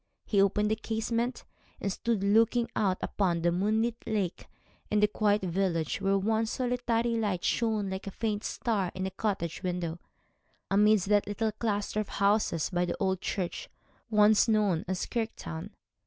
He opened the casement, and stood looking out upon the moonlit lake and the quiet village, where one solitary light shone like a faint star in a cottage window, amidst that little cluster of houses by the old church, once known as Kirktown.